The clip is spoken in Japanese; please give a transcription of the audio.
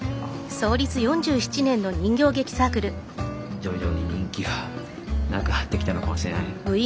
徐々に人気がなくなってきたのかもしれない。